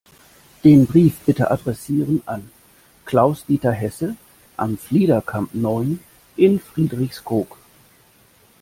Den Brief bitte adressieren an Klaus-Dieter Hesse, Am Fliederkamp neun in Friedrichskoog.